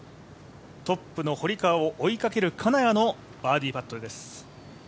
トップの堀川を追いかける金谷のバーディーパットです。